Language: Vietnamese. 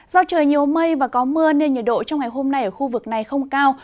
do trời nhiều mây và có mưa nên nhiệt độ trong ngày hôm nay ở khu vực này không cao